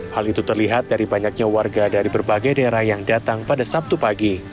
hal itu terlihat dari banyaknya warga dari berbagai daerah yang datang pada sabtu pagi